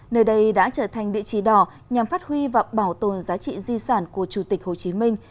nơi đây đã trở thành địa chỉ đỏ nhằm phát huy và bảo tồn giá trị di sản của chủ tịch hồ chí minh